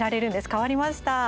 変わりました。